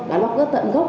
đã lóc gớt tận gốc